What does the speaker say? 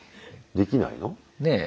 ・できないの？ねぇ。